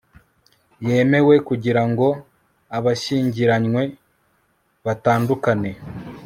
yemewe, kugira ngo abashyingiranywe batandukane